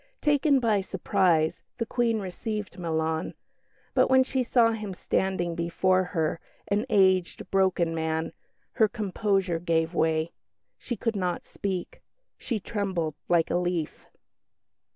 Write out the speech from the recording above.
Taken by surprise, the Queen received Milan, but when she saw him standing before her, an aged, broken man, her composure gave way. She could not speak; she trembled like a leaf.